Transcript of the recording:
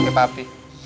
gak pak pi